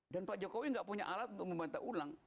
dan pak jokowi gak punya alat untuk membantah ulang